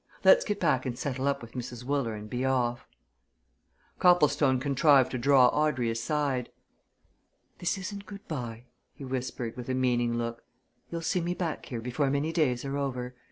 "Let's get back and settle up with Mrs. Wooler and be off." Copplestone contrived to draw Audrey aside. "This isn't good bye," he whispered, with a meaning look. "You'll see me back here before many days are over.